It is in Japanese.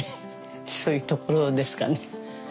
そういうところですかね。